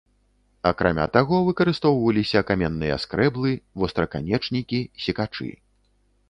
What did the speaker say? Акрамя таго, выкарыстоўваліся каменныя скрэблы, востраканечнікі, секачы.